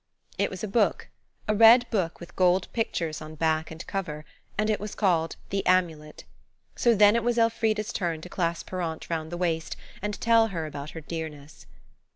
It was a book–a red book with gold pictures on back and cover–and it was called "The Amulet." So then it was Elfrida's turn to clasp her aunt round the waist and tell her about her dearness.